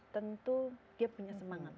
tentu dia punya semangat